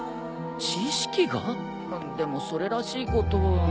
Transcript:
でもそれらしいことは。